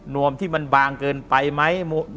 วมที่มันบางเกินไปไหม